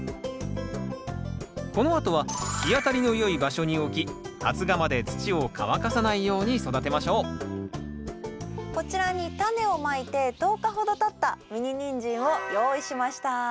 このあとは日当たりのよい場所に置き発芽まで土を乾かさないように育てましょうこちらにタネをまいて１０日ほどたったミニニンジンを用意しました。